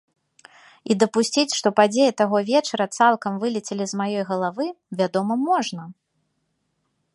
І дапусціць, што падзеі таго вечара цалкам вылецелі з маёй галавы, вядома, можна.